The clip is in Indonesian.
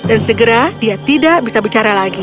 dan segera dia tidak bisa bicara lagi